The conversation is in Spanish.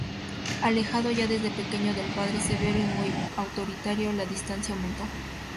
Alejado ya desde pequeño del padre, severo y muy autoritario, la distancia aumentó.